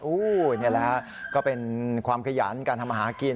นี่แหละฮะก็เป็นความขยันการทำอาหารกิน